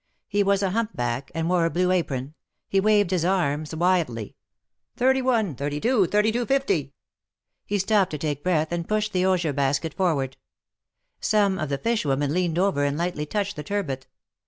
He was a humpback, and wore a blue apron ; he waved his arras wildly. Thirty one ! thirty two ! thirty two fifty —!" He stopped to take breath, and pushed the osier basket forward. Some of the fish women leaned over and lightly touched the turbot.